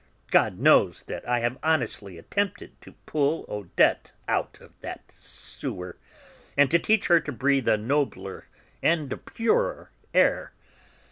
"God knows that I have honestly attempted to pull Odette out of that sewer, and to teach her to breathe a nobler and a purer air.